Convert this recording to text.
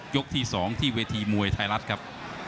ที่๒ที่เวทีมวยไทยรัฐครับ